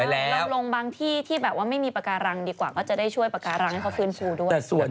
ลงบางที่ที่แบบว่าไม่มีปากการังดีกว่าก็จะได้ช่วยปากการังให้เขาฟื้นฟูด้วย